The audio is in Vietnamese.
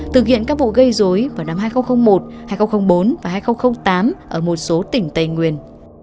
thực hiện các vụ gây dối vào năm hai nghìn một hai nghìn bốn và hai nghìn tám ở một số tỉnh tây nguyên